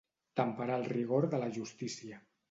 Temperar el rigor de la justícia.